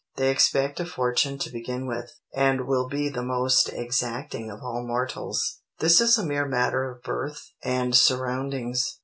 They expect a fortune to begin with, and will be the most exacting of all mortals. This is a mere matter of birth and surroundings.